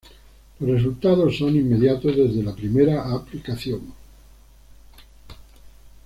Los resultados son inmediatos, desde la primera aplicación.